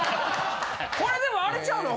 これでもあれちゃうの？